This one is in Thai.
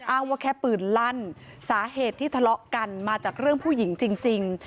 ว่าแค่ปืนลั่นสาเหตุที่ทะเลาะกันมาจากเรื่องผู้หญิงจริง